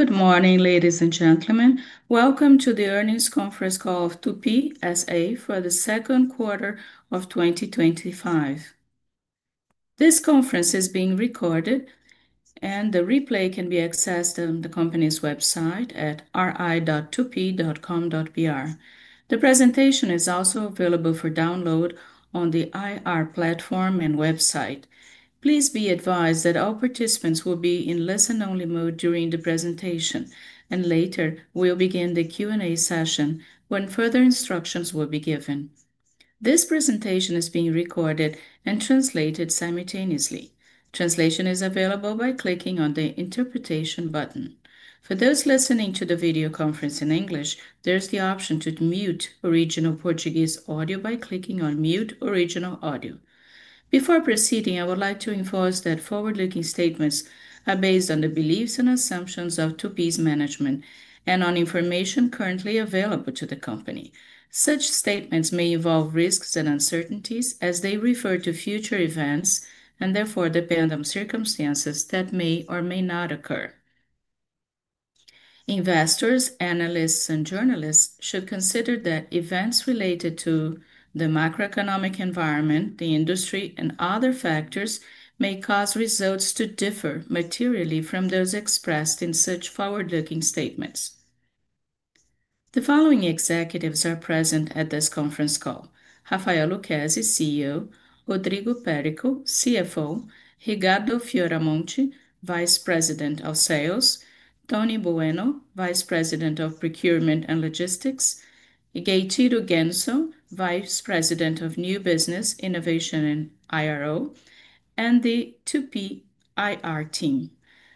Good morning, ladies and gentlemen. Welcome to the Earnings Conference Call of Tupy S.A. for the Second Quarter of 2025. This conference is being recorded, and the replay can be accessed on the company's website at ri.tupy.com.br. The presentation is also available for download on the IR platform and website. Please be advised that all participants will be in listen-only mode during the presentation, and later we'll begin the Q&A session when further instructions will be given. This presentation is being recorded and translated simultaneously. Translation is available by clicking on the "Interpretation" button. For those listening to the video conference in English, there is the option to mute original Portuguese audio by clicking on "Mute Original Audio." Before proceeding, I would like to enforce that forward-looking statements are based on the beliefs and assumptions of Tupy's management and on information currently available to the company. Such statements may involve risks and uncertainties as they refer to future events and therefore depend on circumstances that may or may not occur. Investors, analysts, and journalists should consider that events related to the macroeconomic environment, the industry, and other factors may cause results to differ materially from those expressed in such forward-looking statements. The following executives are present at this conference call: Rafael Lucchesi, CEO; Rodrigo Périco, CFO; Ricardo Fioramonte, Vice President of Sales; Toni Bueno, Vice President of Procurement and Logistics; Gatito Genso, Vice President of New Business, Innovation, and IRO; and the Tupy IR team.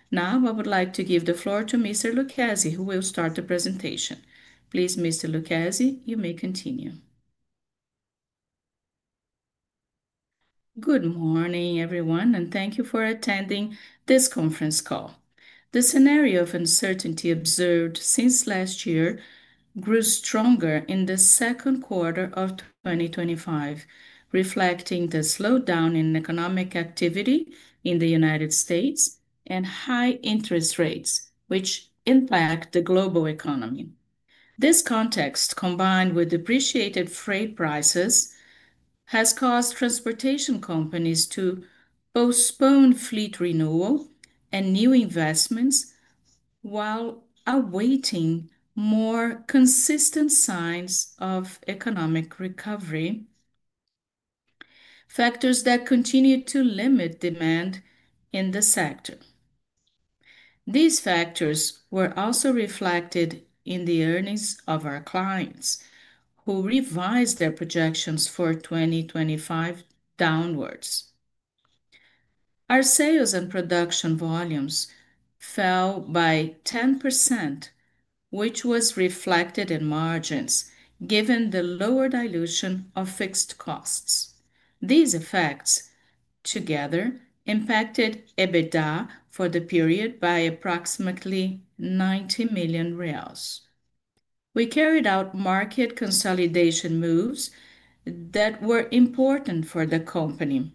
Now, I would like to give the floor to Mr. Lucchesi, who will start the presentation. Please, Mr. Lucchesi, you may continue. Good morning, everyone, and thank you for attending this conference call. The scenario of uncertainty observed since last year grew stronger in the second quarter of 2025, reflecting the slowdown in economic activity in the United States and high interest rates, which impact the global economy. This context, combined with depreciated freight prices, has caused transportation companies to postpone fleet renewal and new investments while awaiting more consistent signs of economic recovery, factors that continue to limit demand in the sector. These factors were also reflected in the earnings of our clients, who revised their projections for 2025 downwards. Our sales and production volumes fell by 10%, which was reflected in margins given the lower dilution of fixed costs. These effects together impacted EBITDA for the period by approximately 90 million reais. We carried out market consolidation moves that were important for the company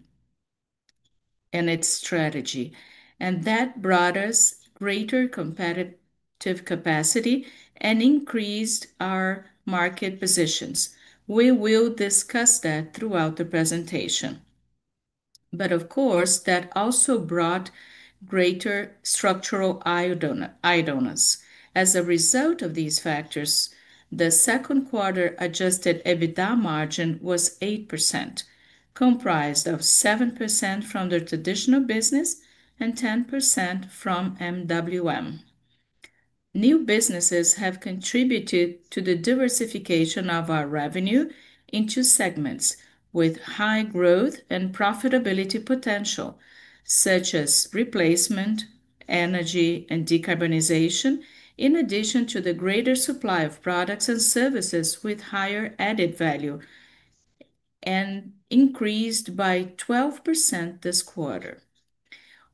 and its strategy, and that brought us greater competitive capacity and increased our market positions. We will discuss that throughout the presentation. Of course, that also brought greater structural eye-openers. As a result of these factors, the second quarter adjusted EBITDA margin was 8%, comprised of 7% from the traditional business and 10% from MWM. New businesses have contributed to the diversification of our revenue into segments with high growth and profitability potential, such as replacement, energy, and decarbonization, in addition to the greater supply of products and services with higher added value and increased by 12% this quarter.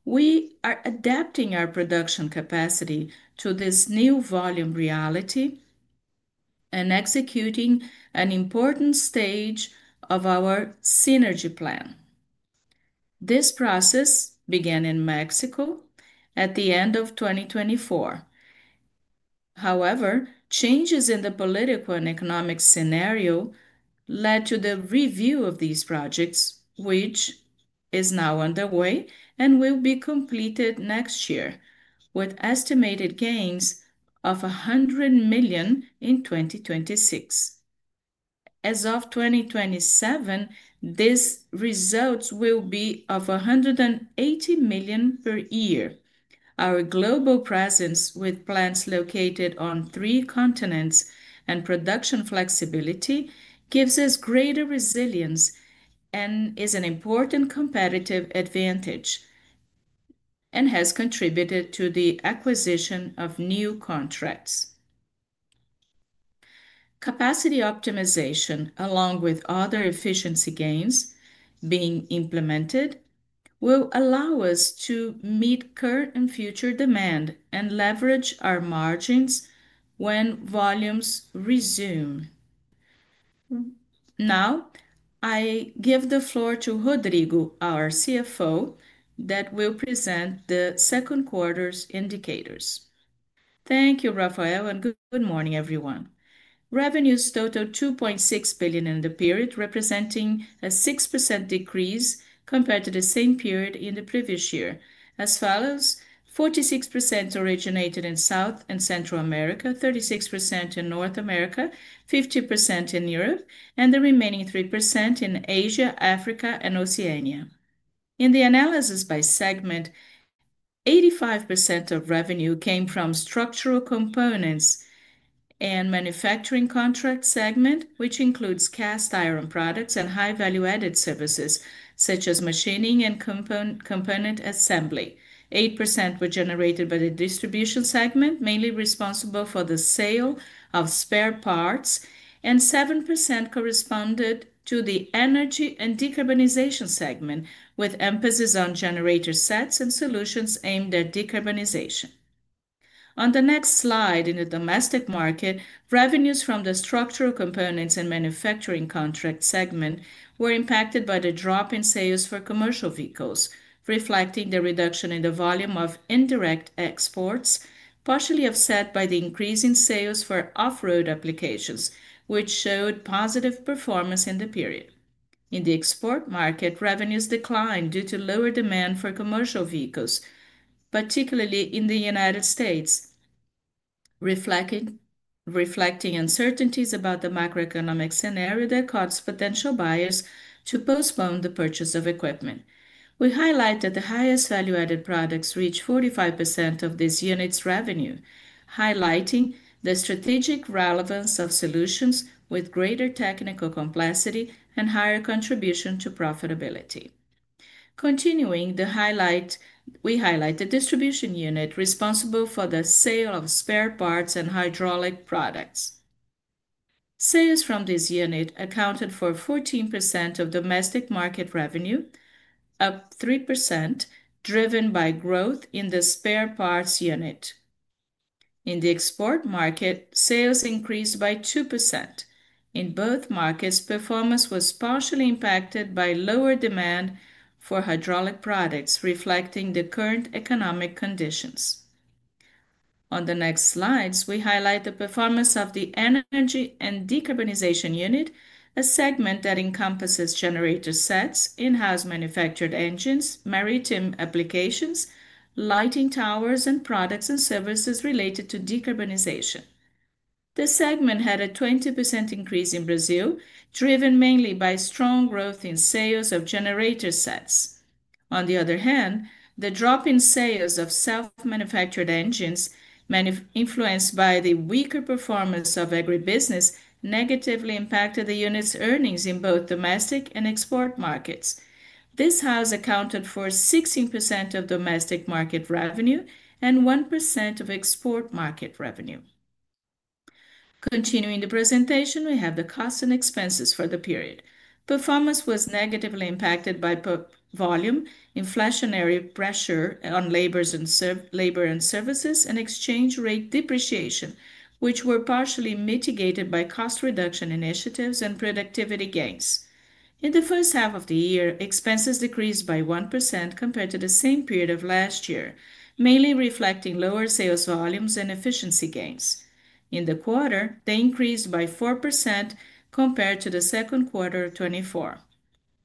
We are adapting our production capacity to this new volume reality and executing an important stage of our synergy plan. This process began in Mexico at the end of 2024. However, changes in the political and economic scenario led to the review of these projects, which is now underway and will be completed next year, with estimated gains of 100 million in 2026. As of 2027, these results will be of 180 million per year. Our global presence, with plants located on three continents, and production flexibility give us greater resilience and are an important competitive advantage and contribute to the acquisition of new contracts. Capacity optimization, along with other efficiency gains being implemented, will allow us to meet current and future demand and leverage our margins when volumes resume. Now, I give the floor to Rodrigo, our CFO, who will present the second quarter's indicators. Thank you, Rafael, and good morning, everyone. Revenues totaled 2.6 billion in the period, representing a 6% decrease compared to the same period in the previous year. As follows: 46% originated in South and Central America, 36% in North America, 15% in Europe, and the remaining 3% in Asia, Africa, and Oceania. In the analysis by segment, 85% of revenue came from structural components and manufacturing contract segment, which includes cast iron products and high-value added services, such as machining and component assembly. 8% were generated by the distribution segment, mainly responsible for the sale of spare parts, and 7% corresponded to the energy and decarbonization segment, with emphasis on generator sets and solutions aimed at decarbonization. On the next slide, in the domestic market, revenues from the structural components and manufacturing contract segment were impacted by the drop in sales for commercial vehicles, reflecting the reduction in the volume of indirect exports, partially offset by the increasing sales for off-road applications, which showed positive performance in the period. In the export market, revenues declined due to lower demand for commercial vehicles, particularly in the United States, reflecting uncertainties about the macroeconomic scenario that caused potential buyers to postpone the purchase of equipment. We highlight that the highest value-added products reached 45% of these units' revenue, highlighting the strategic relevance of solutions with greater technical complexity and higher contribution to profitability. Continuing, we highlight the distribution unit responsible for the sale of spare parts and hydraulic products. Sales from this unit accounted for 14% of domestic market revenue, up 3%, driven by growth in the spare parts unit. In the export market, sales increased by 2%. In both markets, performance was partially impacted by lower demand for hydraulic products, reflecting the current economic conditions. On the next slide, we highlight the performance of the energy and decarbonization unit, a segment that encompasses generator sets, in-house manufactured engines, maritime applications, lighting towers, and products and services related to decarbonization. The segment had a 20% increase in Brazil, driven mainly by strong growth in sales of generator sets. On the other hand, the drop in sales of self-manufactured engines, influenced by the weaker performance of agribusiness, negatively impacted the unit's earnings in both domestic and export markets. This has accounted for 16% of domestic market revenue and 1% of export market revenue. Continuing the presentation, we have the costs and expenses for the period. Performance was negatively impacted by volume, inflationary pressure on labor and services, and exchange rate depreciation, which were partially mitigated by cost reduction initiatives and productivity gains. In the first half of the year, expenses decreased by 1% compared to the same period of last year, mainly reflecting lower sales volumes and efficiency gains. In the quarter, they increased by 4% compared to the second quarter of 2024.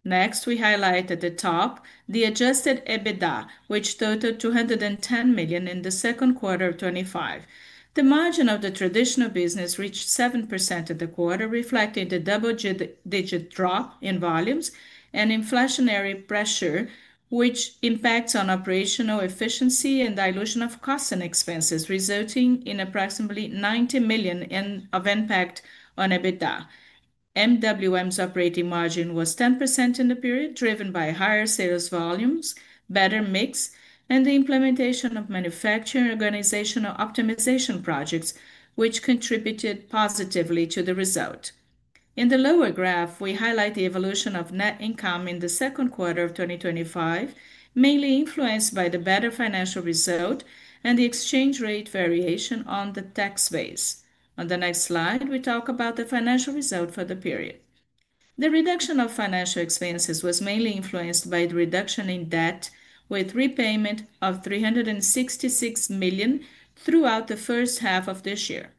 Next, we highlight at the top the adjusted EBITDA, which totaled 210 million in the second quarter of 2025. The margin of the traditional business reached 7% at the quarter, reflecting the double-digit drop in volumes and inflationary pressure, which impacts on operational efficiency and dilution of costs and expenses, resulting in approximately 90 million in impact on EBITDA. MWM's operating margin was 10% in the period, driven by higher sales volumes, better mix, and the implementation of manufacturing organizational optimization projects, which contributed positively to the result. In the lower graph, we highlight the evolution of net income in the second quarter of 2025, mainly influenced by the better financial result and the exchange rate variation on the tax base. On the next slide, we talk about the financial result for the period. The reduction of financial expenses was mainly influenced by the reduction in debt, with repayment of 366 million throughout the first half of this year.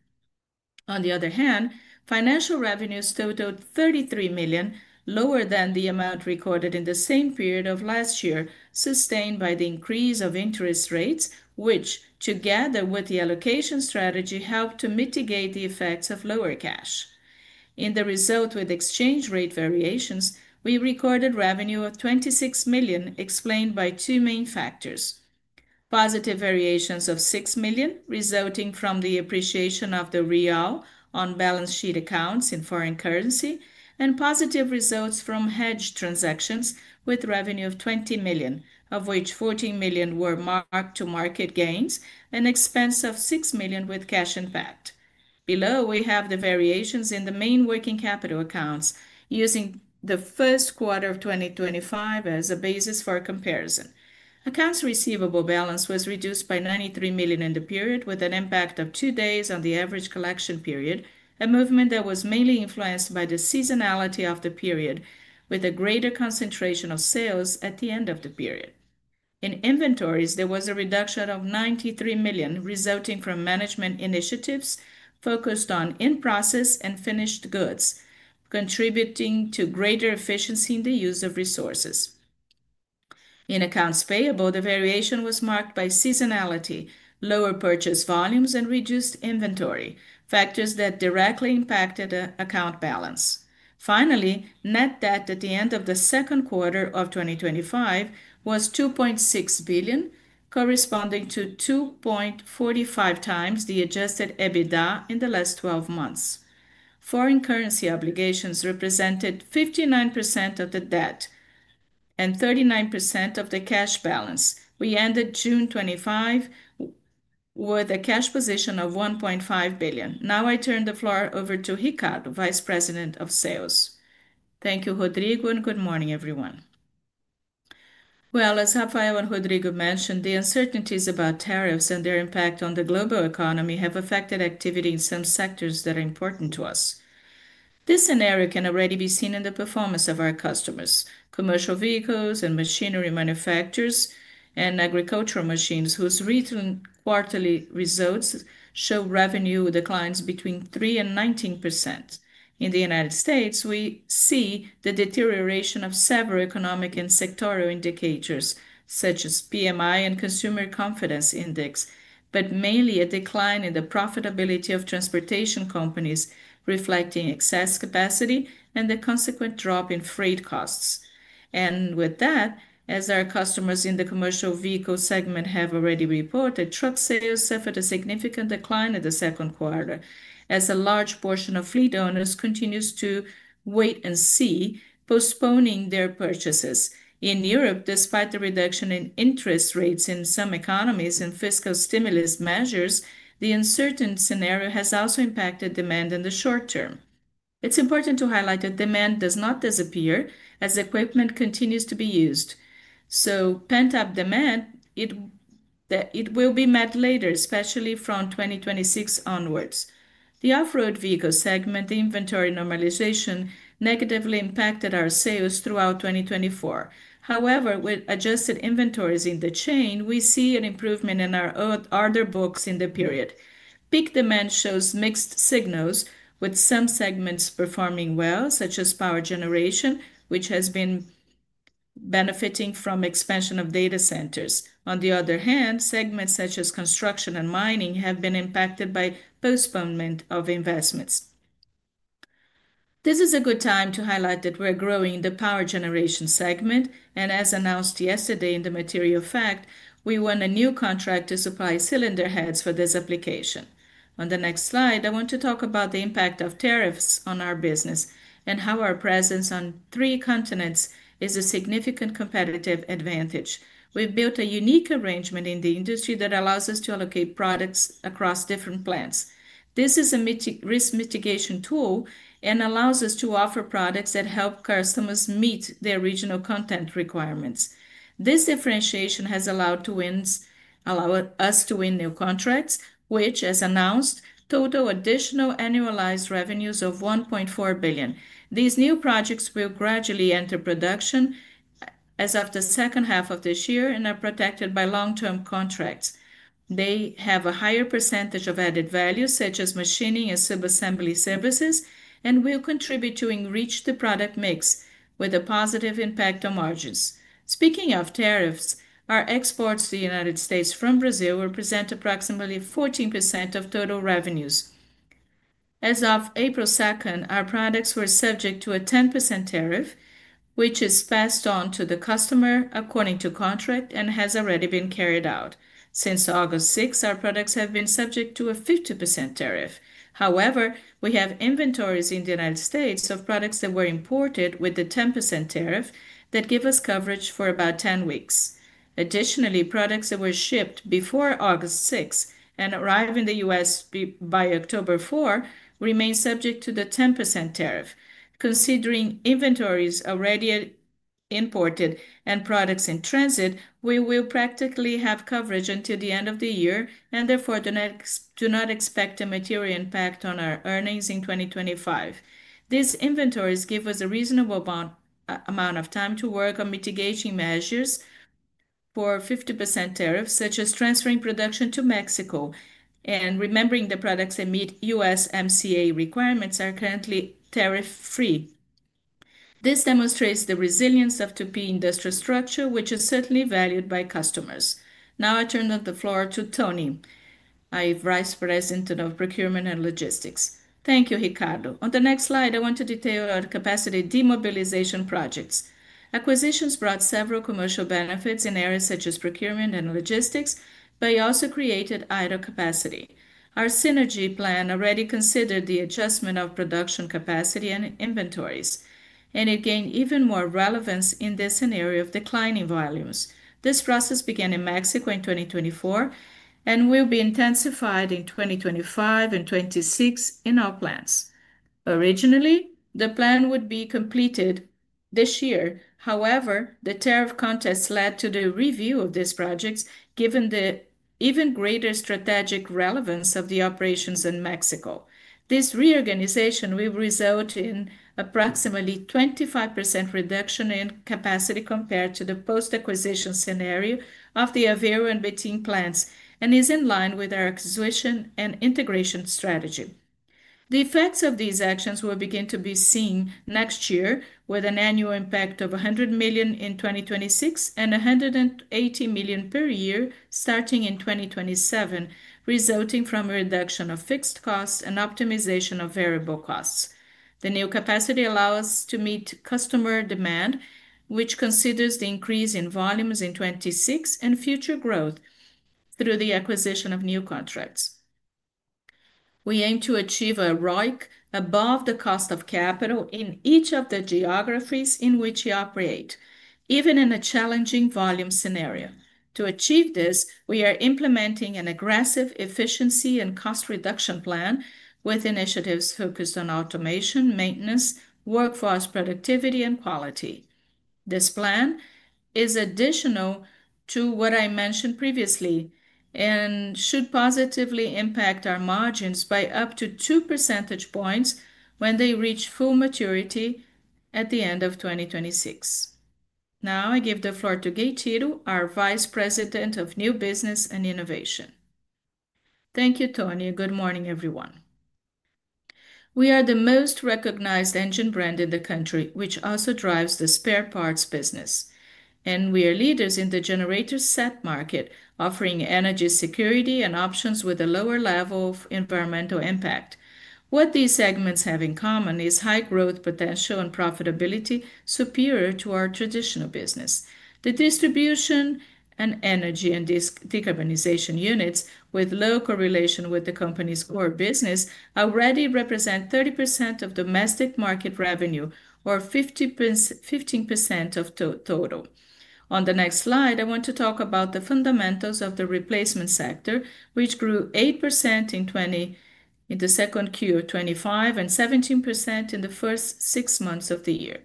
On the other hand, financial revenues totaled 33 million, lower than the amount recorded in the same period of last year, sustained by the increase of interest rates, which, together with the allocation strategy, helped to mitigate the effects of lower cash. In the result with exchange rate variations, we recorded revenue of 26 million, explained by two main factors: positive variations of 6 million, resulting from the appreciation of the real on balance sheet accounts in foreign currency, and positive results from hedge transactions with revenue of 20 million, of which 14 million were marked to market gains and an expense of 6 million with cash impact. Below, we have the variations in the main working capital accounts using the first quarter of 2025 as a basis for comparison. Accounts receivable balance was reduced by 93 million in the period, with an impact of two days on the average collection period, a movement that was mainly influenced by the seasonality of the period, with a greater concentration of sales at the end of the period. In inventories, there was a reduction of 93 million, resulting from management initiatives focused on in-process and finished goods, contributing to greater efficiency in the use of resources. In accounts payable, the variation was marked by seasonality, lower purchase volumes, and reduced inventory, factors that directly impacted account balance. Finally, net debt at the end of the second quarter of 2025 was 2.6 billion, corresponding to 2.45x the adjusted EBITDA in the last 12 months. Foreign currency obligations represented 59% of the debt and 39% of the cash balance. We ended June 2025 with a cash position of 1.5 billion. Now, I turn the floor over to Ricardo, Vice President of Sales. Thank you, Rodrigo, and good morning, everyone. As Rafael and Rodrigo mentioned, the uncertainties about tariffs and their impact on the global economy have affected activity in some sectors that are important to us. This scenario can already be seen in the performance of our customers: commercial vehicles and machinery manufacturers and agricultural machines, whose written quarterly results show revenue declines between 3% and 19%. In the United States, we see the deterioration of several economic and sectorial indicators, such as PMI and Consumer Confidence Index, but mainly a decline in the profitability of transportation companies, reflecting excess capacity and the consequent drop in freight costs. As our customers in the commercial vehicle segment have already reported, truck sales suffered a significant decline in the second quarter, as a large portion of fleet owners continues to wait and see, postponing their purchases. In Europe, despite the reduction in interest rates in some economies and fiscal stimulus measures, the uncertain scenario has also impacted demand in the short term. It's important to highlight that demand does not disappear, as equipment continues to be used. Pent-up demand will be met later, especially from 2026 onwards. The off-road vehicle segment, the inventory normalization, negatively impacted our sales throughout 2024. However, with adjusted inventories in the chain, we see an improvement in our order books in the period. Peak demand shows mixed signals, with some segments performing well, such as power generation, which has been benefiting from expansion of data centers. On the other hand, segments such as construction and mining have been impacted by postponement of investments. This is a good time to highlight that we're growing in the power generation segment, and as announced yesterday in the material fact, we won a new contract to supply cylinder heads for this application. On the next slide, I want to talk about the impact of tariffs on our business and how our presence on three continents is a significant competitive advantage. We've built a unique arrangement in the industry that allows us to allocate products across different plants. This is a risk mitigation tool and allows us to offer products that help customers meet their regional content requirements. This differentiation has allowed us to win new contracts, which, as announced, total additional annualized revenues of $1.4 billion. These new projects will gradually enter production as of the second half of this year and are protected by long-term contracts. They have a higher percentage of added value, such as machining and subassembly services, and will contribute to enrich the product mix with a positive impact on margins. Speaking of tariffs, our exports to the United States from Brazil represent approximately 14% of total revenues. As of April 2nd, our products were subject to a 10% tariff, which is passed on to the customer according to contract and has already been carried out. Since August 6, our products have been subject to a 50% tariff. However, we have inventories in the United States of products that were imported with the 10% tariff that give us coverage for about 10 weeks. Additionally, products that were shipped before August 6 and arrived in the United States by October 4 remain subject to the 10% tariff. Considering inventories already imported and products in transit, we will practically have coverage until the end of the year and therefore do not expect a material impact on our earnings in 2025. These inventories give us a reasonable amount of time to work on mitigation measures for 50% tariffs, such as transferring production to Mexico, and remembering the products that meet USMCA requirements are currently tariff-free. This demonstrates the resilience of Tupy Industrial Structure, which is certainly valued by customers. Now, I turn the floor to Toniy, Vice President of Procurement and Logistics. Thank you, Ricardo. On the next slide, I want to detail our capacity demobilization projects. Acquisitions brought several commercial benefits in areas such as procurement and logistics, but they also created idle capacity. Our synergy plan already considered the adjustment of production capacity and inventories, and it gained even more relevance in this scenario of declining volumes. This process began in Mexico in 2024 and will be intensified in 2025 and 2026 in all plants. Originally, the plan would be completed this year. However, the tariff contest led to the review of these projects, given the even greater strategic relevance of the operations in Mexico. This reorganization will result in approximately a 25% reduction in capacity compared to the post-acquisition scenario of the Aveiro and Betim plants and is in line with our acquisition and integration strategy. The effects of these actions will begin to be seen next year, with an annual impact of $100 million in 2026 and $180 million per year starting in 2027, resulting from a reduction of fixed costs and optimization of variable costs. The new capacity allows us to meet customer demand, which considers the increase in volumes in 2026 and future growth through the acquisition of new contracts. We aim to achieve a ROIC above the cost of capital in each of the geographies in which we operate, even in a challenging volume scenario. To achieve this, we are implementing an aggressive efficiency and cost reduction plan with initiatives focused on automation, maintenance, workforce productivity, and quality. This plan is additional to what I mentioned previously and should positively impact our margins by up to two percentage points when they reach full maturity at the end of 2026. Now, I give the floor to Gatito, our Vice President of New Business and Innovation. Thank you, Toni. Good morning, everyone. We are the most recognized engine brand in the country, which also drives the spare parts business, and we are leaders in the generator set market, offering energy security and options with a lower level of environmental impact. What these segments have in common is high growth potential and profitability superior to our traditional business. The distribution and energy and decarbonization units, with low correlation with the company's core business, already represent 30% of domestic market revenue or 15% of total. On the next slide, I want to talk about the fundamentals of the replacement sector, which grew 8% in the second quarter of 2025 and 17% in the first six months of the year.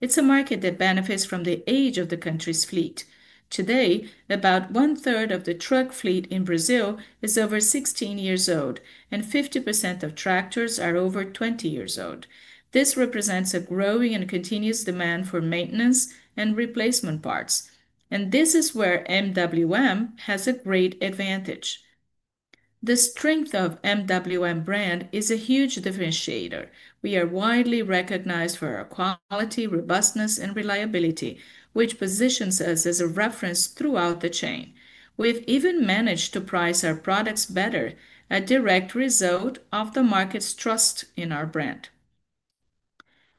It's a market that benefits from the age of the country's fleet. Today, about one-third of the truck fleet in Brazil is over 16 years old, and 50% of tractors are over 20 years old. This represents a growing and continuous demand for maintenance and replacement parts, and this is where MWM has a great advantage. The strength of the MWM brand is a huge differentiator. We are widely recognized for our quality, robustness, and reliability, which positions us as a reference throughout the chain. We've even managed to price our products better, a direct result of the market's trust in our brand.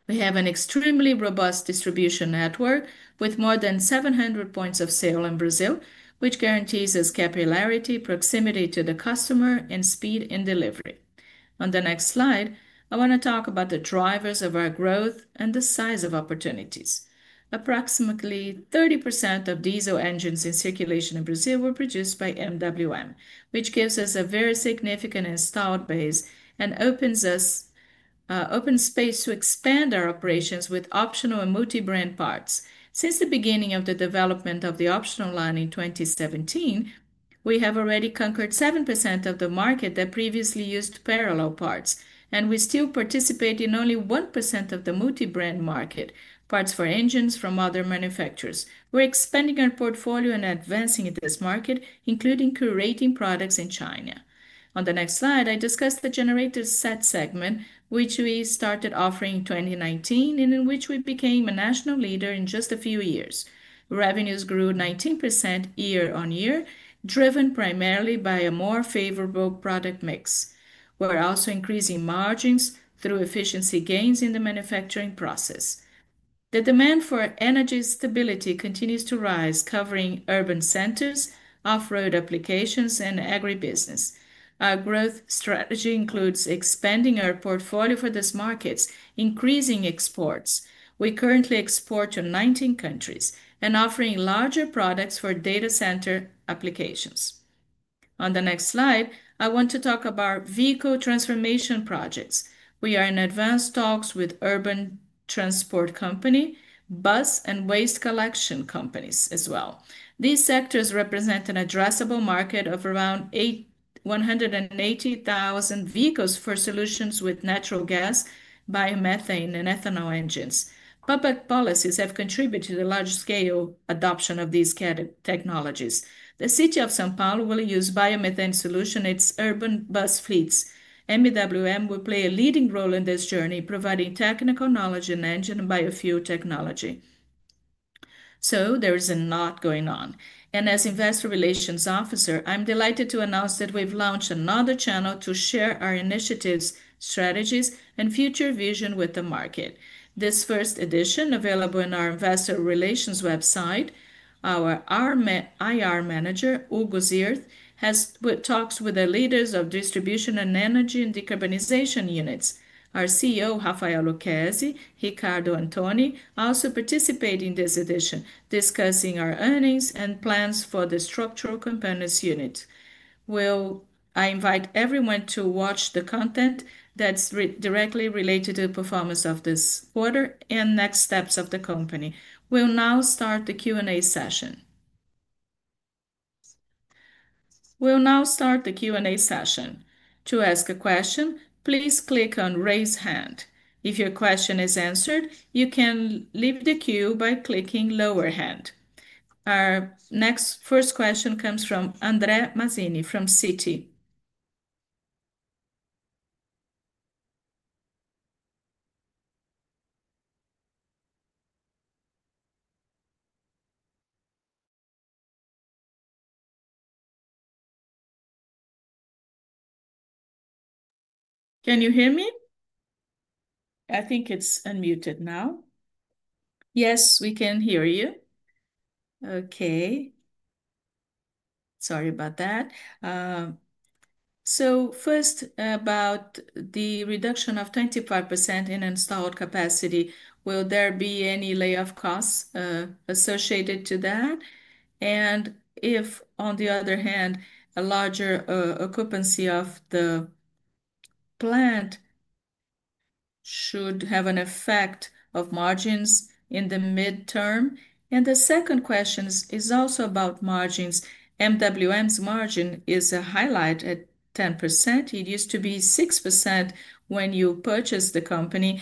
We have an extremely robust distribution network with more than 700 points of sale in Brazil, which guarantees us capillarity, proximity to the customer, and speed in delivery. On the next slide, I want to talk about the drivers of our growth and the size of opportunities. Approximately 30% of diesel engines in circulation in Brazil were produced by MWM, which gives us a very significant installed base and opens up space to expand our operations with optional and multi-brand parts. Since the beginning of the development of the optional line in 2017, we have already conquered 7% of the market that previously used parallel parts, and we still participate in only 1% of the multi-brand market, parts for engines from other manufacturers. We're expanding our portfolio and advancing in this market, including curating products in China. On the next slide, I discuss the generator set segment, which we started offering in 2019 and in which we became a national leader in just a few years. Revenues grew 19% year-on-year, driven primarily by a more favorable product mix. We're also increasing margins through efficiency gains in the manufacturing process. The demand for energy stability continues to rise, covering urban centers, off-road applications, and agribusiness. Our growth strategy includes expanding our portfolio for these markets, increasing exports. We currently export to 19 countries and offer larger products for data center applications. On the next slide, I want to talk about vehicle transformation projects. We are in advanced talks with urban transport companies, bus, and waste collection companies as well. These sectors represent an addressable market of around 180,000 vehicles for solutions with natural gas, biomethane, and ethanol engines. Public policies have contributed to the large-scale adoption of these technologies. The city of São Paulo will use biomethane solutions in its urban bus fleets. MWM will play a leading role in this journey, providing technical knowledge in engine and biofuel technology. There is a lot going on, and as Investor Relations Officer, I'm delighted to announce that we've launched another channel to share our initiatives, strategies, and future vision with the market. In this first edition, available on our Investor Relations website, our IR Manager, Hugo Zierth, has talks with the leaders of distribution and energy and decarbonization units. Our CEO, Rafael Lucchesi, Ricardo, and Toni also participate in this edition, discussing our earnings and plans for the structural components unit. I invite everyone to watch the content that's directly related to the performance of this quarter and next steps of the company. We'll now start the Q&A session. To ask a question, please click on "Raise Hand." If your question is answered, you can leave the queue by clicking "Lower Hand." Our next first question comes from André Mazzini from Citi. Can you hear me? I think it's unmuted now. Yes, we can hear you. Okay. Sorry about that. First, about the reduction of 25% in installed capacity, will there be any layoff costs associated with that? If, on the other hand, a larger occupancy of the plant should have an effect on margins in the mid-term? The second question is also about margins. MWM's margin is a highlight at 10%. It used to be 6% when you purchased the company.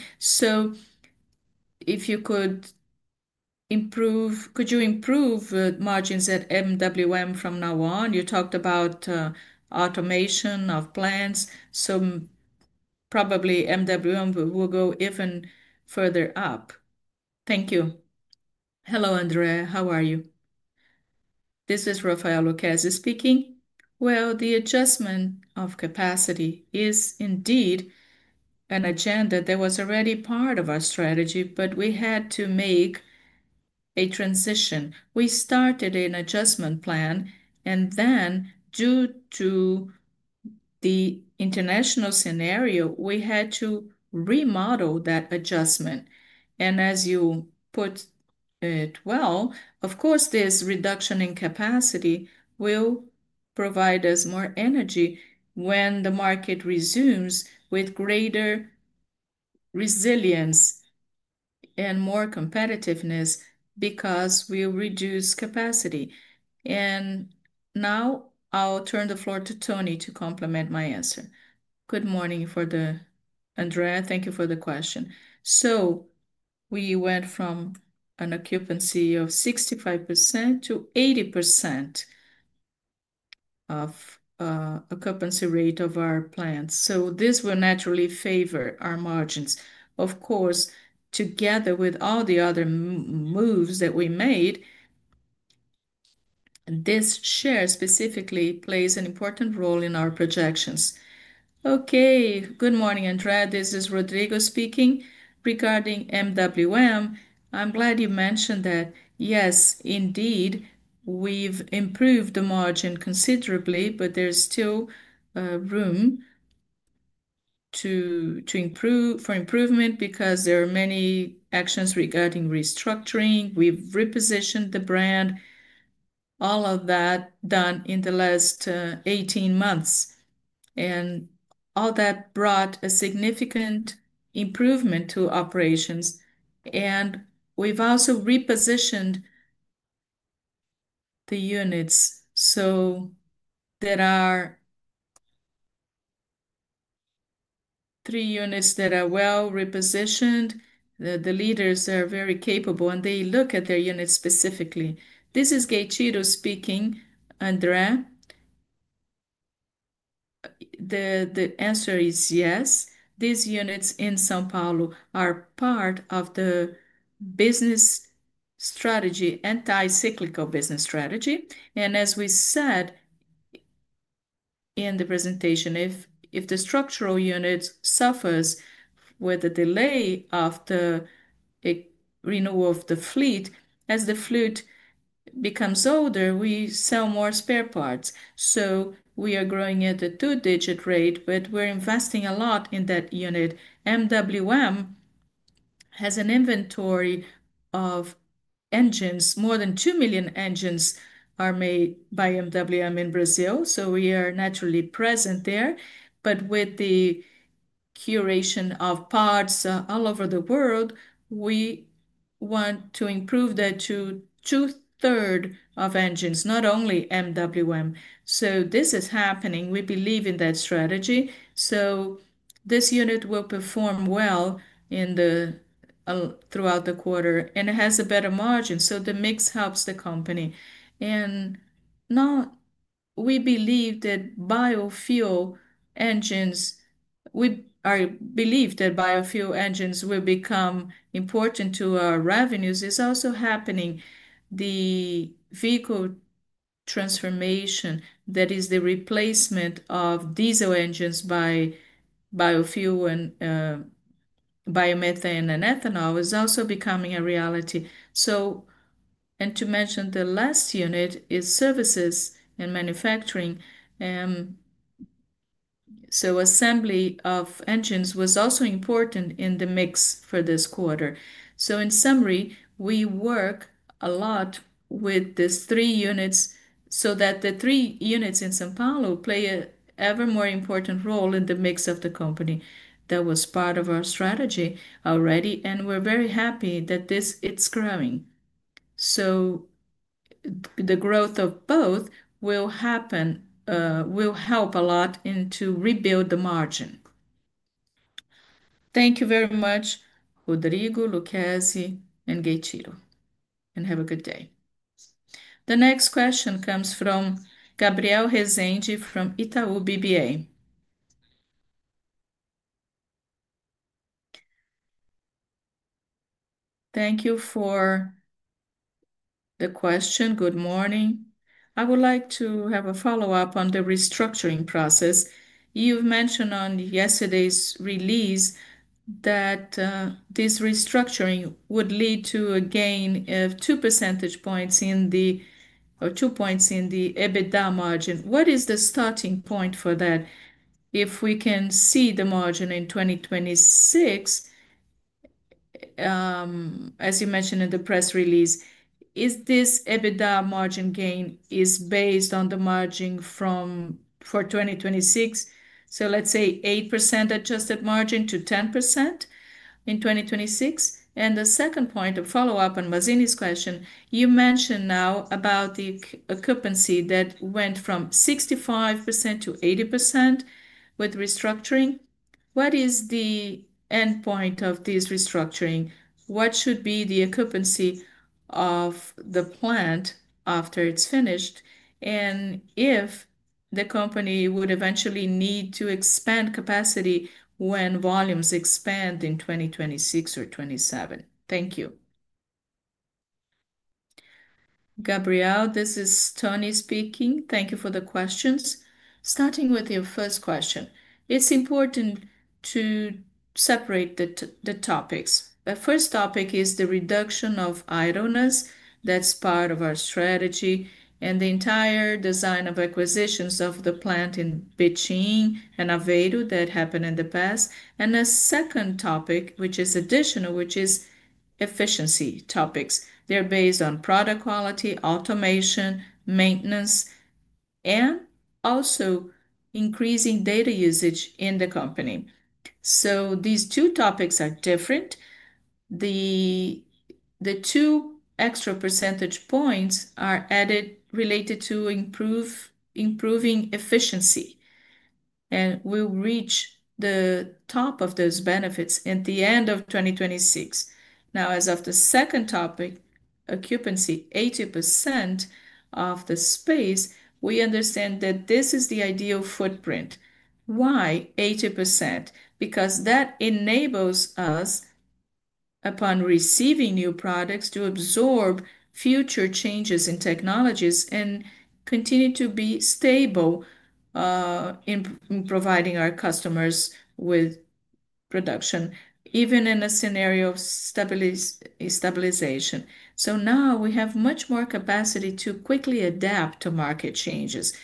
If you could improve, could you improve margins at MWM from now on? You talked about automation of plants, so probably MWM will go even further up. Thank you. Hello, André. How are you? This is Rafael Lucchesi speaking. The adjustment of capacity is indeed an agenda that was already part of our strategy, but we had to make a transition. We started an adjustment plan, and then, due to the international scenario, we had to remodel that adjustment. As you put it well, of course, this reduction in capacity will provide us more energy when the market resumes with greater resilience and more competitiveness because we reduce capacity. Now, I'll turn the floor to Toni to complement my answer. Good morning for the André. Thank you for the question. We went from an occupancy of 65% to 80% of the occupancy rate of our plants. This will naturally favor our margins. Of course, together with all the other moves that we made, this share specifically plays an important role in our projections. Good morning, André. This is Rodrigo speaking regarding MWM. I'm glad you mentioned that. Yes, indeed, we've improved the margin considerably, but there's still room for improvement because there are many actions regarding restructuring. We've repositioned the brand, all of that done in the last 18 months, and all that brought a significant improvement to operations. We've also repositioned the units. There are three units that are well repositioned. The leaders are very capable, and they look at their units specifically. This is Gatito speaking, André. The answer is yes. These units in São Paulo are part of the business strategy, anti-cyclical business strategy. As we said in the presentation, if the structural unit suffers with the delay of the renewal of the fleet, as the fleet becomes older, we sell more spare parts. We are growing at a two-digit rate, but we're investing a lot in that unit. MWM has an inventory of engines. More than 2 million engines are made by MWM in Brazil, so we are naturally present there. With the curation of parts all over the world, we want to improve that to 2/3 of engines, not only MWM. This is happening. We believe in that strategy. This unit will perform well throughout the quarter, and it has a better margin, so the mix helps the company. We believe that biofuel engines will become important to our revenues. It's also happening. The vehicle transformation, that is the replacement of diesel engines by biofuel and biomethane and ethanol, is also becoming a reality. To mention the last unit, services and manufacturing, assembly of engines was also important in the mix for this quarter. In summary, we work a lot with these three units so that the three units in São Paulo play an ever more important role in the mix of the company. That was part of our strategy already, and we're very happy that it's growing. The growth of both will help a lot to rebuild the margin. Thank you very much, Rodrigo, Lucchesi, and Gatito, and have a good day. The next question comes from Gabriel Rezende from Itaú BBA. Thank you for the question. Good morning. I would like to have a follow-up on the restructuring process. You mentioned on yesterday's release that this restructuring would lead to a gain of 2 percentage points in the EBITDA margin. What is the starting point for that? If we can see the margin in 2026, as you mentioned in the press release, is this EBITDA margin gain based on the margin for 2026? Let's say 8% adjusted margin to 10% in 2026. The second point, a follow-up on Mazzini's question, you mentioned now about the occupancy that went from 65% to 80% with restructuring. What is the endpoint of this restructuring? What should be the occupancy of the plant after it's finished? If the company would eventually need to expand capacity when volumes expand in 2026 or 2027. Thank you. Gabriel, this is Toni speaking. Thank you for the questions. Starting with your first question, it's important to separate the topics. The first topic is the reduction of idleness. That's part of our strategy and the entire design of acquisitions of the plant in Betim and Aveiro that happened in the past. The second topic, which is additional, is efficiency topics. They're based on product quality, automation, maintenance, and also increasing data usage in the company. These two topics are different. The two extra percentage points are added related to improving efficiency, and we'll reach the top of those benefits at the end of 2026. Now, as of the second topic, occupancy, 80% of the space, we understand that this is the ideal footprint. Why 80%? Because that enables us, upon receiving new products, to absorb future changes in technologies and continue to be stable in providing our customers with production, even in a scenario of stabilization. Now we have much more capacity to quickly adapt to market changes.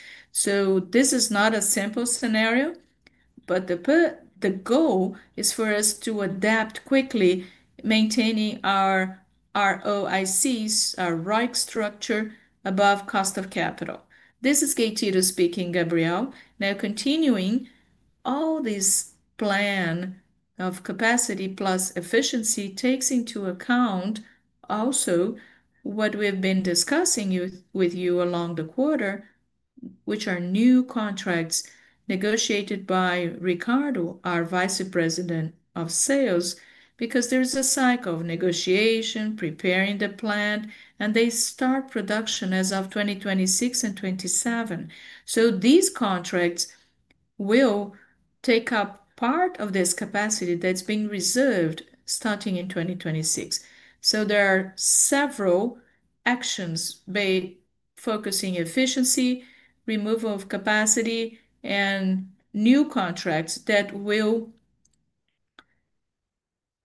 This is not a simple scenario, but the goal is for us to adapt quickly, maintaining our ROICs, our ROIC structure, above cost of capital. This is Gatito speaking, Gabriel. Now, continuing all this plan of capacity plus efficiency takes into account also what we've been discussing with you along the quarter, which are new contracts negotiated by Ricardo, our Vice President of Sales, because there is a cycle of negotiation, preparing the plant, and they start production as of 2026 and 2027. These contracts will take up part of this capacity that's been reserved starting in 2026. There are several actions focusing on efficiency, removal of capacity, and new contracts that will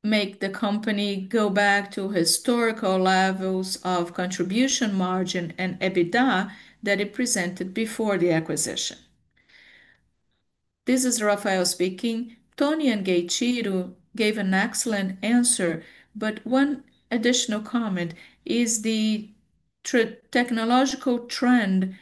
make the company go back to historical levels of contribution margin and EBITDA that it presented before the acquisition. This is Rafael speaking. Toni and Gatito gave an excellent answer, but one additional comment is the technological trend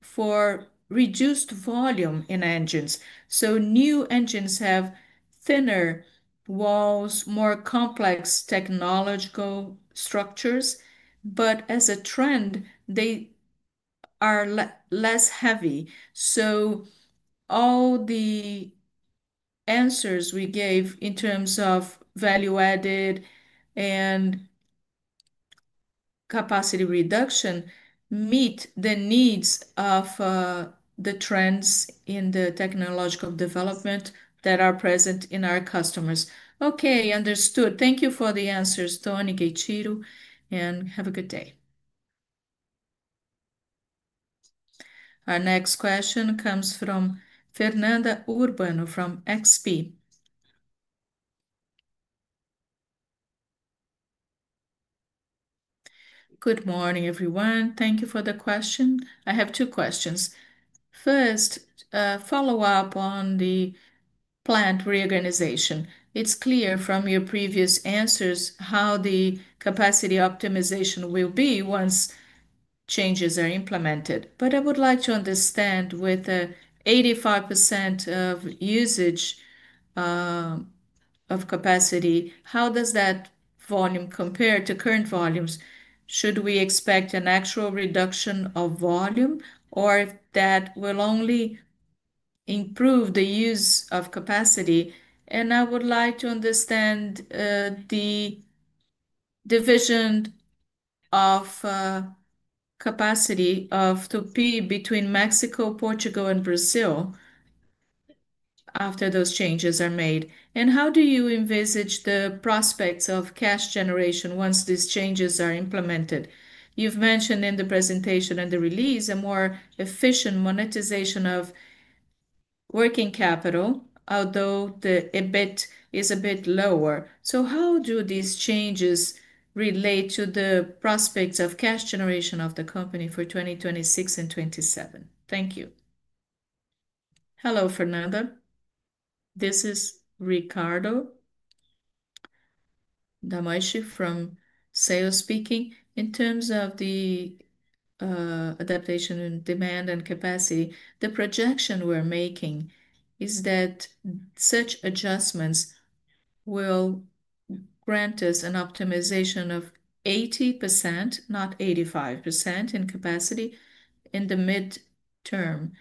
for reduced volume in engines. New engines have thinner walls, more complex technological structures, but as a trend, they are less heavy. All the answers we gave in terms of value-added and capacity reduction meet the needs of the trends in the technological development that are present in our customers. Okay, understood. Thank you for the answers, Toni, Gatito, and have a good day. Our next question comes from Fernanda Urbano from XP. Good morning, everyone. Thank you for the question. I have two questions. First, a follow-up on the plant reorganization. It's clear from your previous answers how the capacity optimization will be once changes are implemented. I would like to understand, with 85% of usage of capacity, how does that volume compare to current volumes? Should we expect an actual reduction of volume, or that will only improve the use of capacity? I would like to understand the division of capacity of Tupy between Mexico, Portugal, and Brazil after those changes are made. How do you envisage the prospects of cash generation once these changes are implemented? You've mentioned in the presentation and the release a more efficient monetization of working capital, although the EBIT is a bit lower. How do these changes relate to the prospects of cash generation of the company for 2026 and 2027? Thank you. Hello, Fernanda. This is Ricardo Damashi from Sales speaking. In terms of the adaptation in demand and capacity, the projection we're making is that such adjustments will grant us an optimization of 80%, not 85%, in capacity in the mid-term.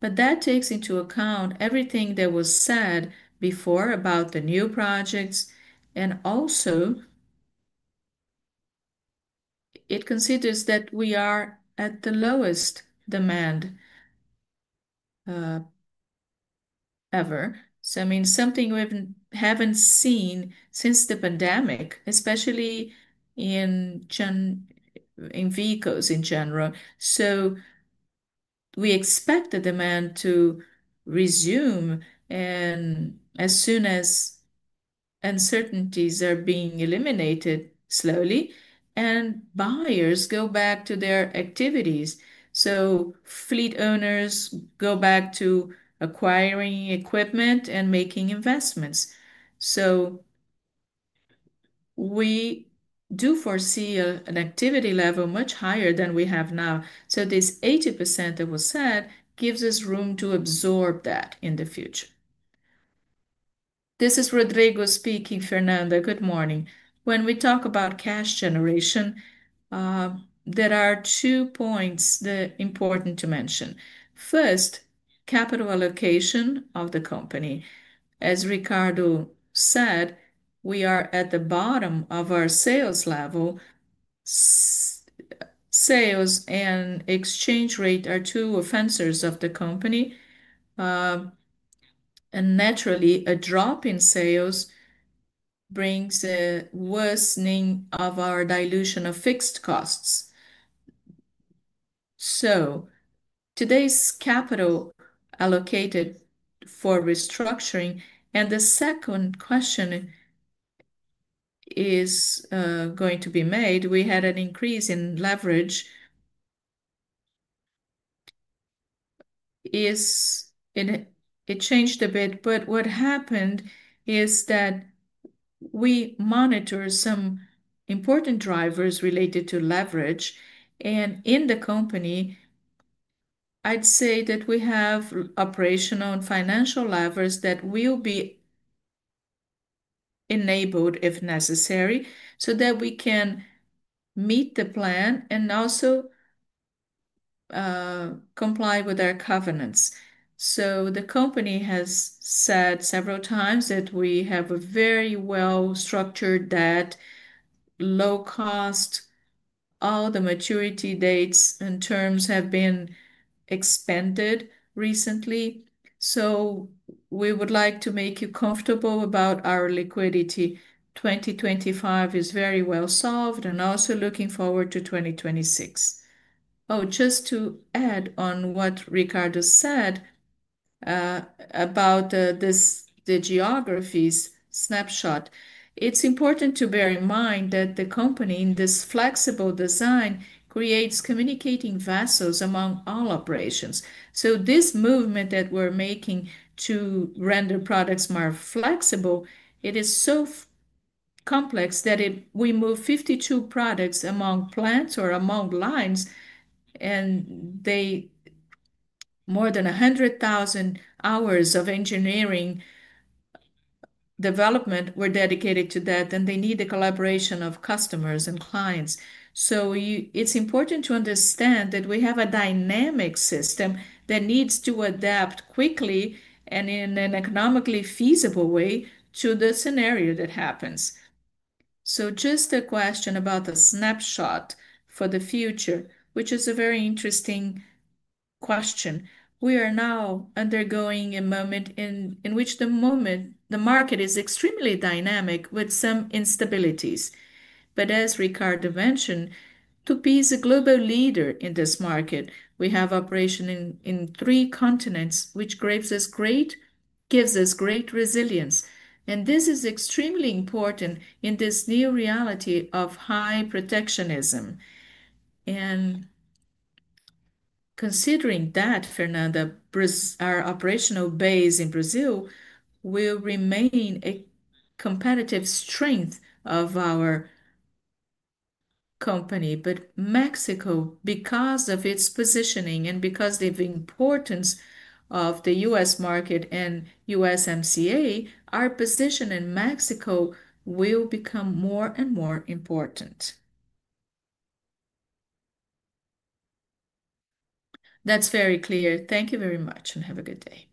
That takes into account everything that was said before about the new projects, and also it considers that we are at the lowest demand ever. I mean, something we haven't seen since the pandemic, especially in vehicles in general. We expect the demand to resume as soon as uncertainties are being eliminated slowly, and buyers go back to their activities. Fleet owners go back to acquiring equipment and making investments. We do foresee an activity level much higher than we have now. This 80% that was said gives us room to absorb that in the future. This is Rodrigo speaking. Fernanda, good morning. When we talk about cash generation, there are two points important to mention. First, capital allocation of the company. As Ricardo said, we are at the bottom of our sales level. Sales and exchange rate are two offensors of the company. Naturally, a drop in sales brings a worsening of our dilution of fixed costs. Today's capital allocated for restructuring, and the second question is going to be made. We had an increase in leverage. It changed a bit, but what happened is that we monitor some important drivers related to leverage. In the company, I'd say that we have operational and financial levers that will be enabled if necessary so that we can meet the plan and also comply with our covenants. The company has said several times that we have a very well-structured debt, low cost. All the maturity dates and terms have been expended recently. We would like to make you comfortable about our liquidity. 2025 is very well solved, and also looking forward to 2026. Just to add on what Ricardo said about the geography snapshot, it's important to bear in mind that the company, in this flexible design, creates communicating vessels among all operations. This movement that we're making to render products more flexible is so complex that we move 52 products among plants or among lines, and more than 100,000 hours of engineering development were dedicated to that, and they need the collaboration of customers and clients. It's important to understand that we have a dynamic system that needs to adapt quickly and in an economically feasible way to the scenario that happens. A question about the snapshot for the future, which is a very interesting question. We are now undergoing a moment in which the market is extremely dynamic with some instabilities. As Ricardo mentioned, Tupy is a global leader in this market. We have operations in three continents, which gives us great resilience. This is extremely important in this new reality of high protectionism. Considering that, Fernanda, our operational base in Brazil will remain a competitive strength of our company. Mexico, because of its positioning and because of the importance of the U.S. market and USMCA, our position in Mexico will become more and more important. That's very clear. Thank you very much, and have a good day.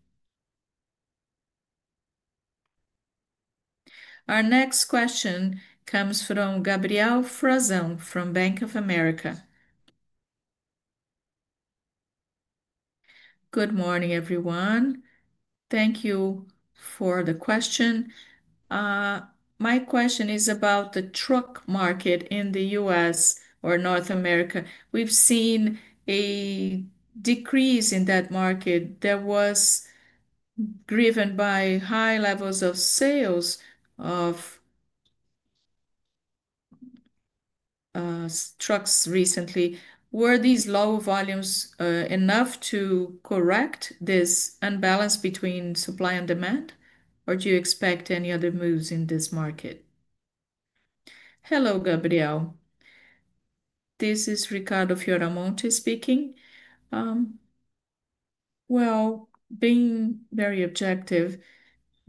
Our next question comes from Gabriel Frazão from Bank of America. Good morning, everyone. Thank you for the question. My question is about the truck market in the U.S. or North America. We've seen a decrease in that market that was driven by high levels of sales of trucks recently. Were these low volumes enough to correct this unbalance between supply and demand, or do you expect any other moves in this market? Hello, Gabriel. This is Ricardo Fioramonte speaking. Being very objective,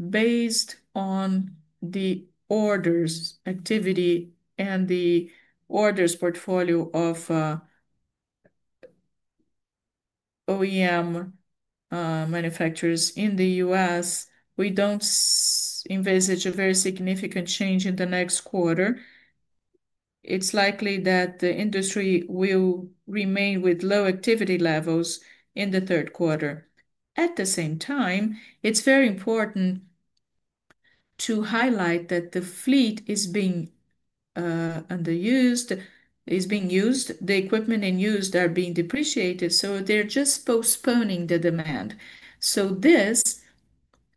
based on the orders activity and the orders portfolio of OEM manufacturers in the U.S., we don't envisage a very significant change in the next quarter. It's likely that the industry will remain with low activity levels in the third quarter. At the same time, it's very important to highlight that the fleet is being underused, is being used, the equipment in use are being depreciated, so they're just postponing the demand. This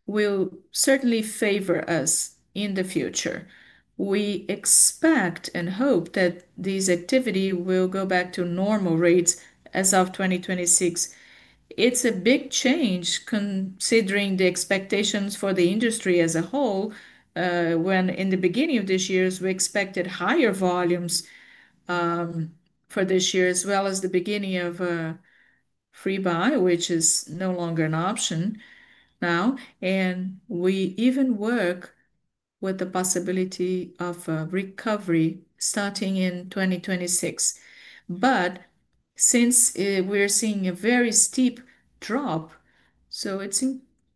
will certainly favor us in the future. We expect and hope that this activity will go back to normal rates as of 2026. It's a big change considering the expectations for the industry as a whole, when in the beginning of this year, we expected higher volumes for this year, as well as the beginning of a free buy, which is no longer an option now. We even work with the possibility of a recovery starting in 2026. Since we're seeing a very steep drop,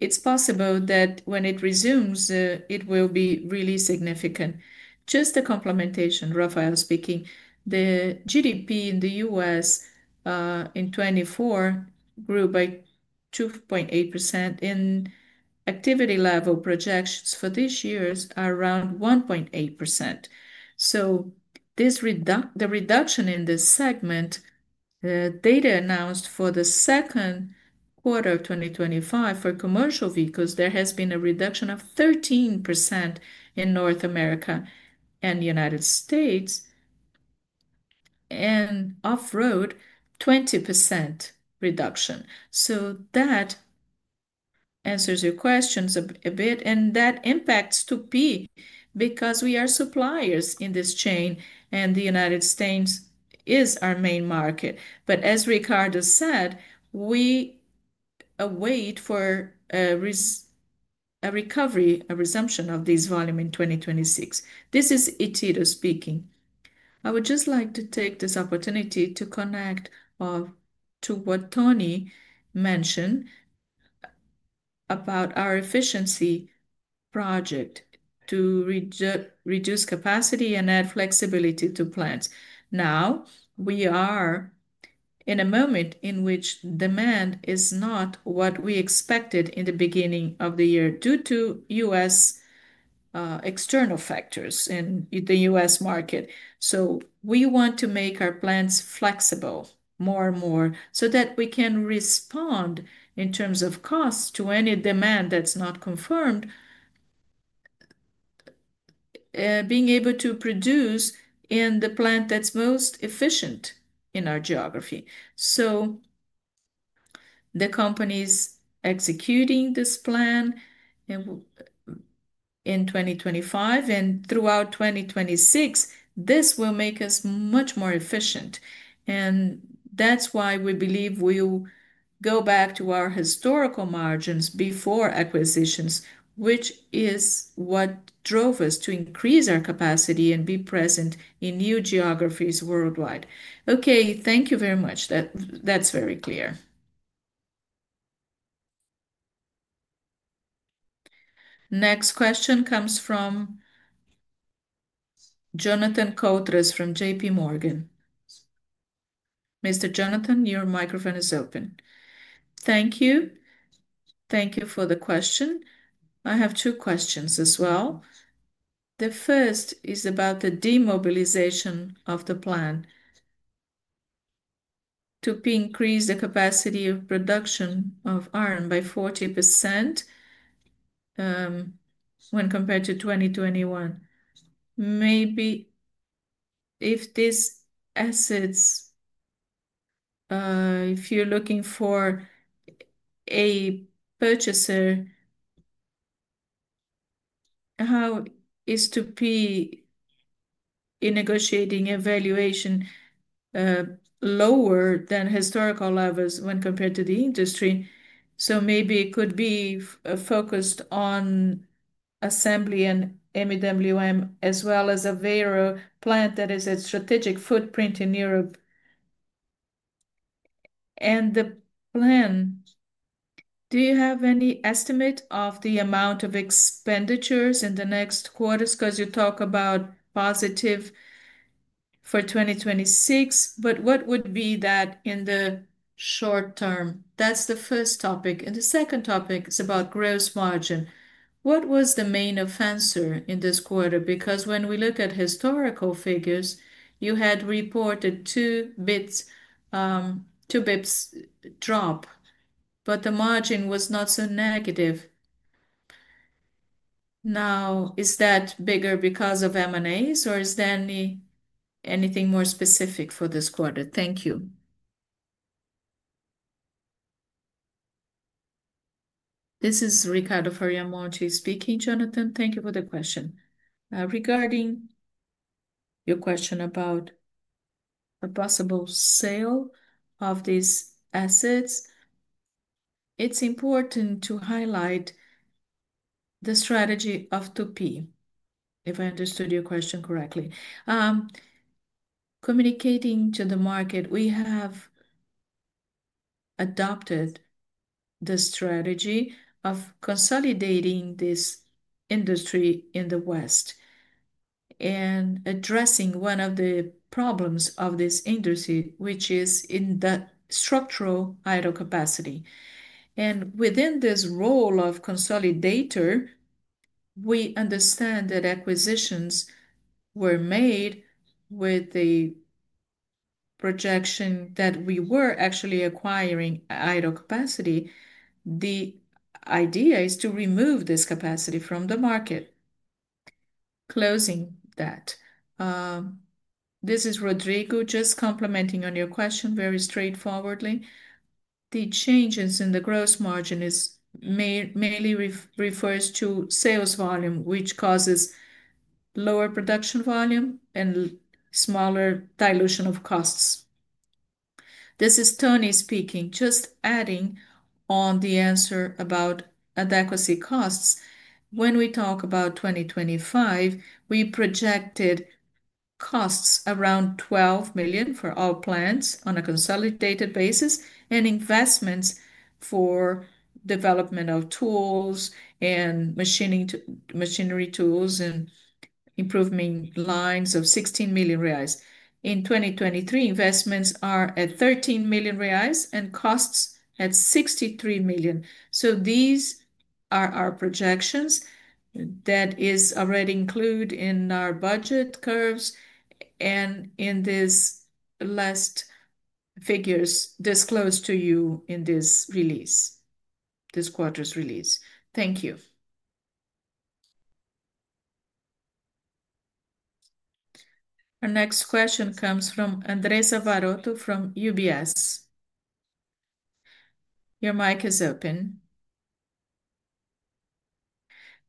it's possible that when it resumes, it will be really significant. Just a complementation, Rafael speaking. The GDP in the U.S. in 2024 grew by 2.8%, and activity level projections for this year are around 1.8%. The reduction in this segment, the data announced for the second quarter of 2025 for commercial vehicles, there has been a reduction of 13% in North America and the United States, and off-road, 20% reduction. That answers your questions a bit, and that impacts Tupy because we are suppliers in this chain, and the United States is our main market. As Ricardo said, we await a recovery, a resumption of these volumes in 2026. This is Gatito speaking. I would just like to take this opportunity to connect to what Toni mentioned about our efficiency project to reduce capacity and add flexibility to plants. Now, we are in a moment in which demand is not what we expected in the beginning of the year due to U.S. external factors in the U.S. market. We want to make our plants flexible more and more so that we can respond in terms of costs to any demand that's not confirmed, being able to produce in the plant that's most efficient in our geography. The company is executing this plan in 2025, and throughout 2026, this will make us much more efficient. That's why we believe we'll go back to our historical margins before acquisitions, which is what drove us to increase our capacity and be present in new geographies worldwide. Thank you very much. That's very clear. Next question comes from Jonathan Coutres from JPMorgan. Mr. Jonathan, your microphone is open. Thank you. Thank you for the question. I have two questions as well. The first is about the demobilization of the plant. Tupy increased the capacity of production of iron by 40% when compared to 2021. Maybe, if these assets, if you're looking for a purchaser, how is Tupy in negotiating a valuation lower than historical levels when compared to the industry? Maybe it could be focused on assembly and MWM, as well as Aveiro, a plant that is a strategic footprint in Europe. The plan, do you have any estimate of the amount of expenditures in the next quarters? You talk about positive for 2026, but what would be that in the short term? That's the first topic. The second topic is about gross margin. What was the main offensor in this quarter? Because when we look at historical figures, you had reported two bps drop, but the margin was not so negative. Now, is that bigger because of M&As, or is there anything more specific for this quarter? Thank you. This is Ricardo Fioramonte speaking. Jonathan, thank you for the question. Regarding your question about a possible sale of these assets, it's important to highlight the strategy of Tupy, if I understood your question correctly. Communicating to the market, we have adopted the strategy of consolidating this industry in the West and addressing one of the problems of this industry, which is in the structural idle capacity. Within this role of consolidator, we understand that acquisitions were made with the projection that we were actually acquiring idle capacity. The idea is to remove this capacity from the market, closing that. This is Rodrigo, just complementing on your question very straightforwardly. The changes in the gross margin mainly refer to sales volume, which causes lower production volume and smaller dilution of costs. This is Toni speaking. Just adding on the answer about adequacy costs. When we talk about 2025, we projected costs around 12 million for all plants on a consolidated basis and investments for development of tools and machinery tools and improvement lines of 16 million reais. In 2023, investments are at 13 million reais and costs at 63 million. These are our projections that are already included in our budget curves and in these last figures disclosed to you in this release, this quarter's release. Thank you. Our next question comes from Andressa Varotto from UBS. Your mic is open.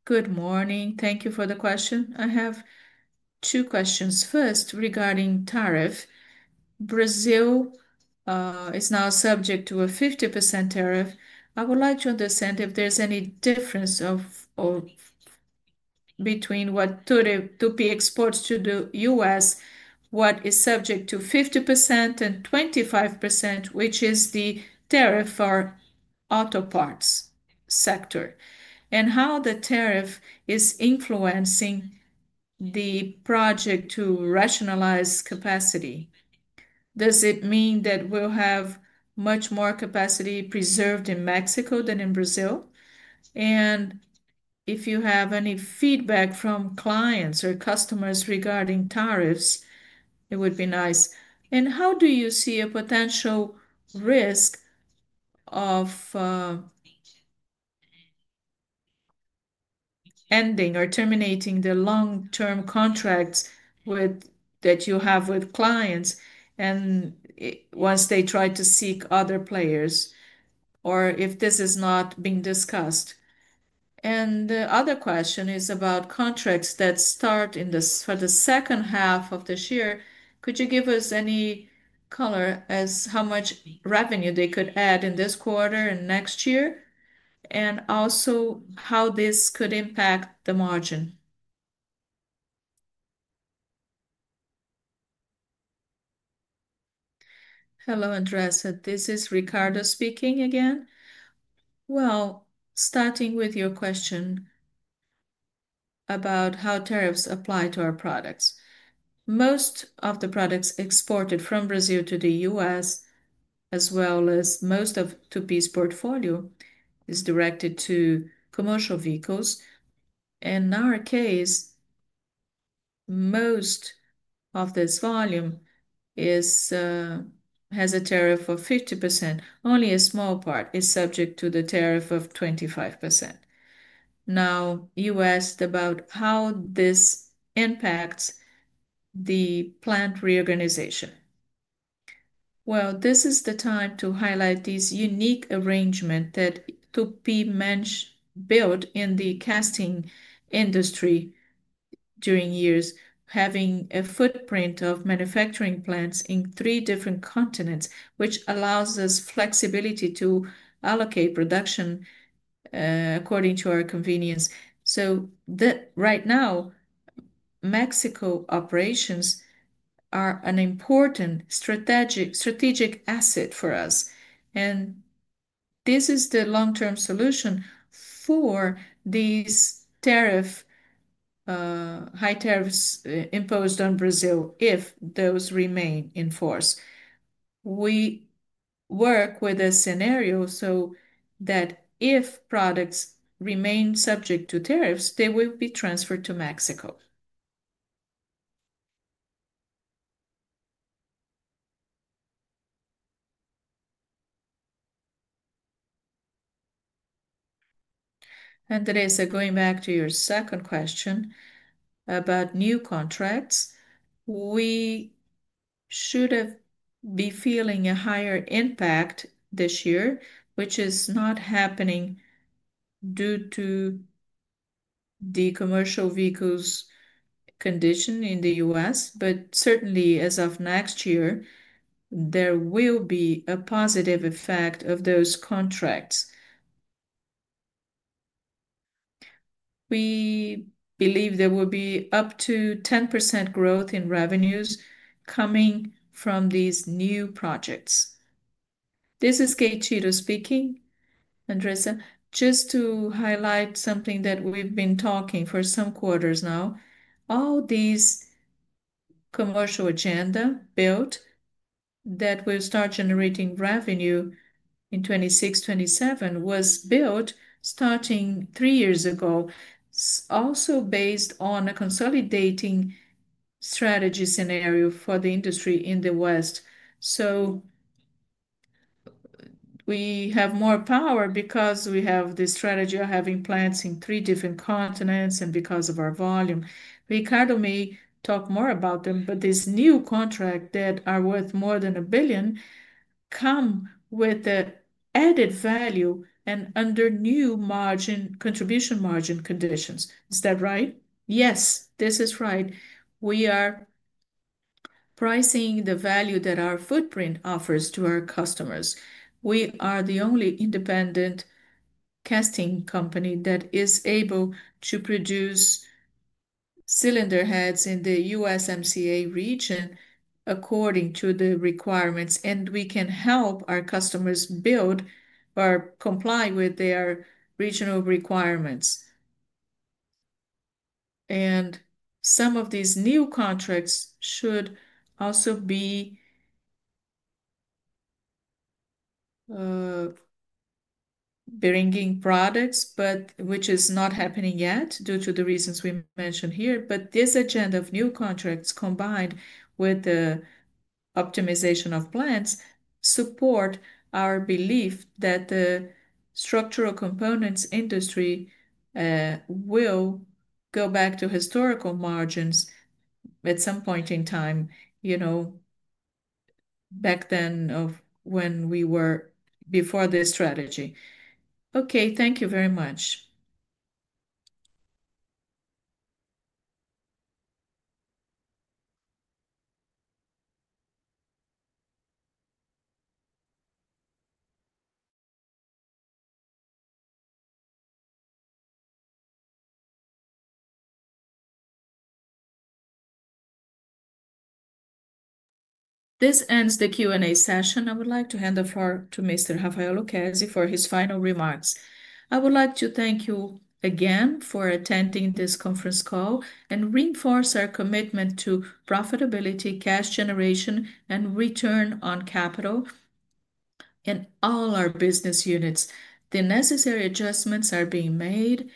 Good morning. Thank you for the question. I have two questions. First, regarding tariffs. Brazil is now subject to a 50% tariff. I would like to understand if there's any difference between what Tupy exports to the U.S., what is subject to 50% and 25%, which is the tariff for auto parts sector, and how the tariff is influencing the project to rationalize capacity. Does it mean that we'll have much more capacity preserved in Mexico than in Brazil? If you have any feedback from clients or customers regarding tariffs, it would be nice. How do you see a potential risk of ending or terminating the long-term contracts that you have with clients once they try to seek other players, or if this is not being discussed? The other question is about contracts that start in the second half of this year. Could you give us any color as to how much revenue they could add in this quarter and next year, and also how this could impact the margin? Hello, Andresa. This is Ricardo speaking again. Starting with your question about how tariffs apply to our products. Most of the products exported from Brazil to the U.S., as well as most of Tupy's portfolio, are directed to commercial vehicles. In our case, most of this volume has a tariff of 50%. Only a small part is subject to the tariff of 25%. You asked about how this impacts the plant reorganization. This is the time to highlight this unique arrangement that Tupy built in the casting industry during years, having a footprint of manufacturing plants in three different continents, which allows us flexibility to allocate production according to our convenience. Right now, Mexico operations are an important strategic asset for us. This is the long-term solution for these high tariffs imposed on Brazil if those remain in force. We work with a scenario so that if products remain subject to tariffs, they will be transferred to Mexico. Andresa, going back to your second question about new contracts, we should be feeling a higher impact this year, which is not happening due to the commercial vehicles' condition in the U.S. Certainly, as of next year, there will be a positive effect of those contracts. We believe there will be up to 10% growth in revenues coming from these new projects. This is Gatito speaking. Andresa, just to highlight something that we've been talking for some quarters now. All these commercial agenda built that will start generating revenue in 2026-2027 was built starting three years ago, also based on a consolidating strategy scenario for the industry in the West. We have more power because we have this strategy of having plants in three different continents and because of our volume. Ricardo may talk more about them, but these new contracts that are worth more than a billion come with an added value and under new contribution margin conditions. Is that right? Yes, this is right. We are pricing the value that our footprint offers to our customers. We are the only independent casting company that is able to produce cylinder heads in the USMCA region according to the requirements, and we can help our customers build or comply with their regional requirements. Some of these new contracts should also be bringing products, which is not happening yet due to the reasons we mentioned here. This agenda of new contracts, combined with the optimization of plants, supports our belief that the structural components industry will go back to historical margins at some point in time, back then of when we were before this strategy. Thank you very much. This ends the Q&A session. I would like to hand the floor to Mr. Rafael Lucchesi for his final remarks. I would like to thank you again for attending this conference call and reinforce our commitment to profitability, cash generation, and return on capital in all our business units. The necessary adjustments are being made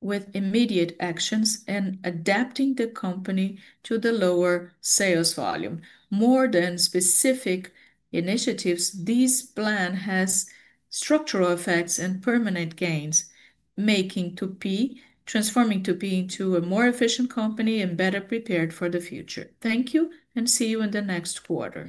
with immediate actions and adapting the company to the lower sales volume. More than specific initiatives, this plan has structural effects and permanent gains, making Tupy, transforming Tupy into a more efficient company and better prepared for the future. Thank you and see you in the next quarter.